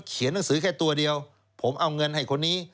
หนังสือแค่ตัวเดียวผมเอาเงินให้คนนี้